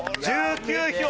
１９票。